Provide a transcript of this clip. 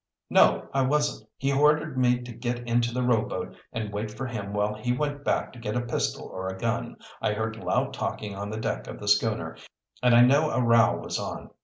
"No, I wasn't. He ordered me to get into the rowboat and wait for him while he went back to get a pistol or a gun. I heard loud talking on the deck of the schooner, and I knew a row was on.